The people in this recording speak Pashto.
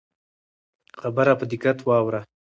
خبره په دقت واوره.